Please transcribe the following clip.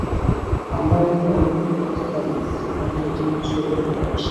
আমরা এখন অনুভব করতে পারি, বিশ্বটা আমাদের জন্য ছোট হয়ে এসেছে।